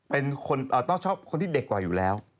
ต้องชอบคนที่เด็กกว่าอยู่แล้ว